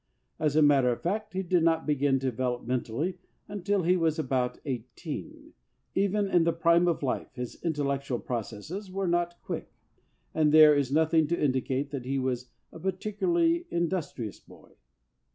As a matter of fact, he did not begin to develop mentally until he was about eighteen,— even in the prime of life his intellectual processes were not quick, — and there is nothing to indicate that he was a particularly industrious boy.